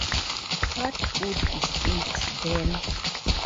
What good is it, then?